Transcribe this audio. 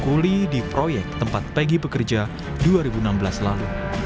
kuli di proyek tempat peggy bekerja dua ribu enam belas lalu